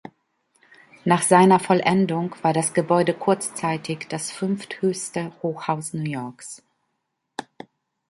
Nach seiner Vollendung war das Gebäude kurzzeitig das fünfthöchste Hochhaus New Yorks.